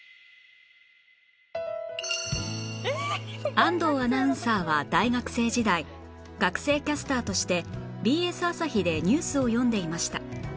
安藤アナウンサーは大学生時代学生キャスターとして ＢＳ 朝日でニュースを読んでいました